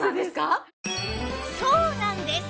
そうなんです！